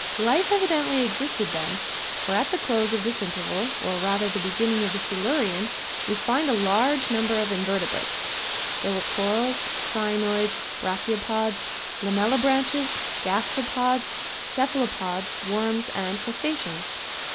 Life evidently existed then, for at the close of this interval or rather at the beginning of the Silurian we find a large number of Invertebrates. There were corals, crinoids, brachiopods, lamellibranches, gasteropods, cephalopods, worms and crustaceans.